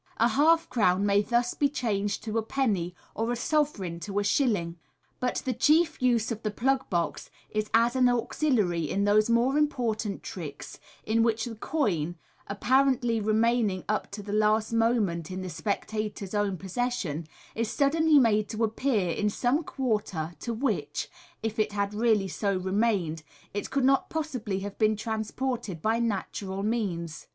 A half crown may thus be changed to a penny, or a sovereign to a shilling. But the chief use of the plug box is as an auxiliary in those more important tricks in which the coin, apparently remaining up to the last moment in the spectator's own possession, is sud denly made to appear in some quarter to which (if it had really so remained) it could not possibly have been transported by natural means.